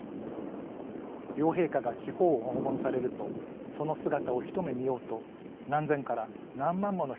両陛下が地方を訪問されるとその姿を一目見ようと何千から何万もの